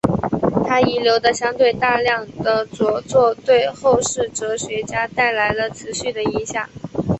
他遗留的相对大量的着作对后世哲学家带来了持续的影响。